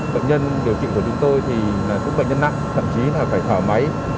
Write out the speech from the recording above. bệnh nhân điều trị của chúng tôi thì cũng bệnh nhân nặng thậm chí là phải thở máy